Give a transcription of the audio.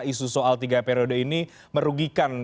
isu soal tiga periode ini merugikan